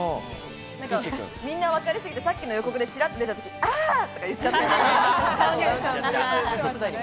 みんなわかり過ぎてさっきの予告でチラッと出たとき、あとか言っちゃった。